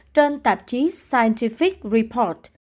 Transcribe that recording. trên tạp chí scientific report